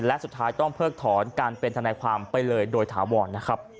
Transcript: และสุดท้ายต้องเพิกถอนการเป็นทนายความไปเลยโดยถาวรนะครับ